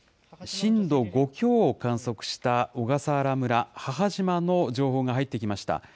震度５強を観測した小笠原村・母島の情報が入ってきました。